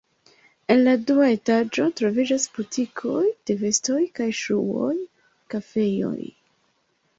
En la dua etaĝo troviĝas butikoj de vestoj kaj ŝuoj, kafejoj.